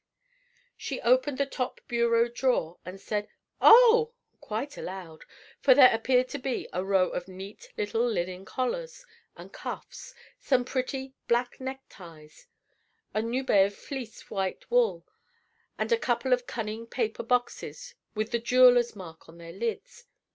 She opened the top bureau drawer, and said, "Oh!" quite aloud, for there appeared a row of neat little linen collars and cuffs, some pretty black neck ties, a nubè of fleecy white wool, and a couple of cunning paper boxes with the jeweller's mark on their lids.